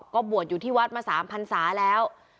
ก็บวชอยู่ที่วัดมา๓พันศาแล้ว